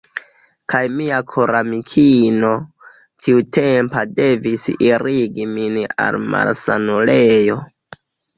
Kaj mia koramikino tiutempa devis irigi min al la malsanulejo.